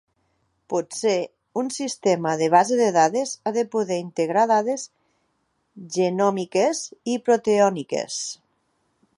Potser un sistema de base de dades ha de poder integrar dades genòmiques i proteòmiques.